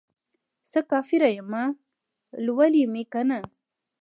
څه کافر یمه ، لولی مې کنه